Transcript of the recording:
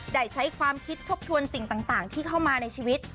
ได้ใช้ความคิดทบทวนสิ่งต่างที่เข้ามาในชีวิต